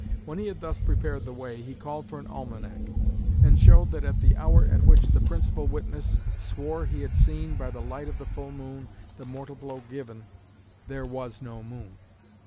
When he had thus prepared the way, he called for an almanac, and showed that at the hour at which the principal witness swore he had seen, by the light of the full moon, the mortal blow given, there was no moon.